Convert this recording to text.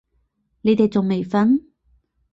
你哋仲未瞓？